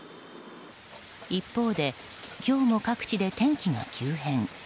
一方で今日も各地で天気が急変。